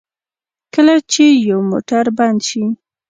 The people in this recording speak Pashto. کله چې یو موټر بند شي.